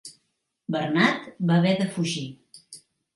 Bernat va haver de fugir.